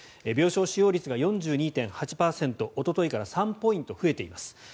病床使用率が４２．８％おとといから３ポイント増えています。